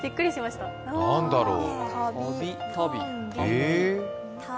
何だろう。